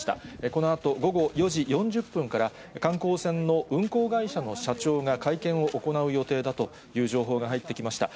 このあと午後４時４０分から観光船の運航会社の社長が会見を行う予定だという情報が入ってきました。